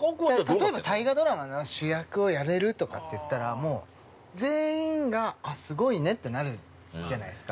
◆例えば、大河ドラマの主役をやれるとかっていったら、もう全員が、あっ、すごいねってなるじゃないですか。